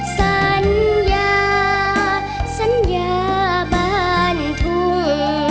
สัญญาสัญญาบ้านทุ่ง